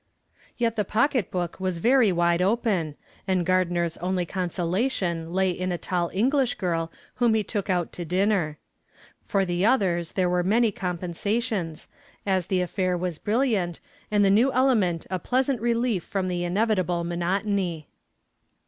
Yet the pocketbook was very wide open, and Gardner's only consolation lay in a tall English girl whom he took out to dinner. For the others there were many compensations, as the affair was brilliant and the new element a pleasant relief from the inevitable monotony.